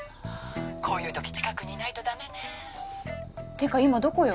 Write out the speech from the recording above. こういう時近くにいないとダメねてか今どこよ？